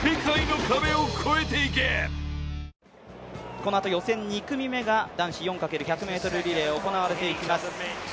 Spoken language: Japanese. このあと予選２組目が男子４×１００ｍリレー行われていきます。